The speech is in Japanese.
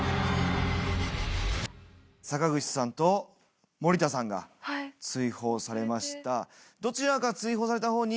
坂口さんと森田さんが追放されました。